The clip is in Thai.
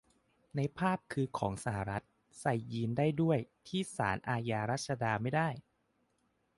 ในภาพคือของสหรัฐ ใส่ยีนส์ได้ด้วย ที่ศาลอาญารัชดาไม่ได้